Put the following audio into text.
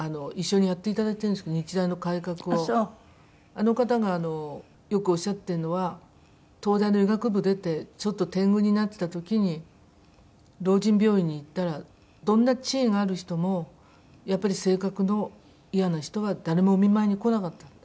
あの方がよくおっしゃってるのは東大の医学部出てちょっと天狗になってた時に老人病院に行ったらどんな地位がある人もやっぱり性格のイヤな人は誰もお見舞いに来なかったって。